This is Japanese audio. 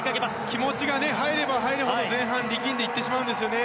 気持ちが入れば入るほど前半力んでしまうんですね